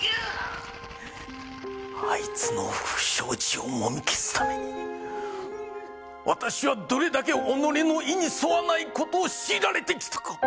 あいつの不祥事をもみ消すために私はどれだけ己の意にそわない事を強いられてきたか。